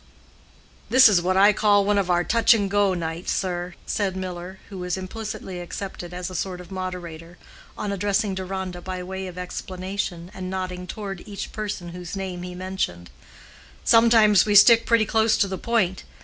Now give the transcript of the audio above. "This is what I call one of our touch and go nights, sir," said Miller, who was implicitly accepted as a sort of moderator—on addressing Deronda by way of explanation, and nodding toward each person whose name he mentioned. "Sometimes we stick pretty close to the point.